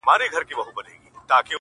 سړي ښخ کئ سپي د کلي هدیره کي-